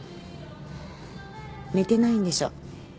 寝てないんでしょ？